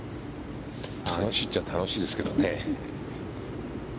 楽しいっちゃ楽しいですけどね。